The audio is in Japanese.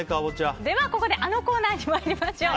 ではここであのコーナーに参りましょう。